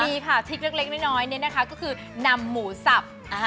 มีค่ะทิกเล็กนิดนี่นะคะก็คือนำหมูสับ